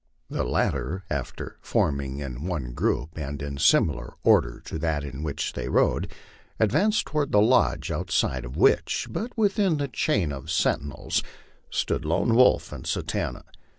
The latter, after forming in one group, and in similar order to that in which they rode, advanced toward the lodge outside of which, but within the chain of sentinels, stood Lone Wolf and Sa tanta.